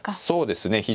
そうですね